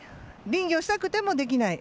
林業したくてもできない。